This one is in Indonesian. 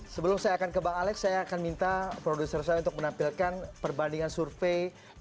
sebelum saya akan ke bang alex saya akan minta produser saya untuk menampilkan perbandingan survei